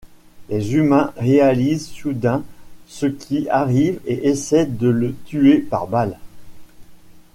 Les humains réalisent soudain ce qui arrive et essaient de le tuer par balles.